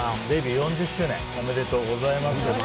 デビュー４０周年おめでとうございます。